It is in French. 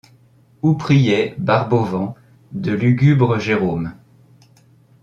Où priaient, barbe au vent, de lugubres Jérômes